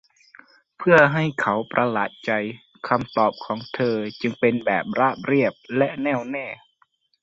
เพื่อให้เขาประหลาดใจ คำตอบของเธอจึงเป็นแบบราบเรียบและแน่วแน่